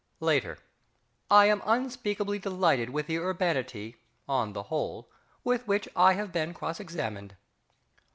Later. I am unspeakably delighted with the urbanity (on the whole) with which I have been cross examined.